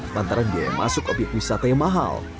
lantaran biaya masuk obyek wisata yang mahal